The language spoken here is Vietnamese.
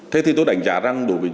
thế thì tôi đánh giá rằng đối với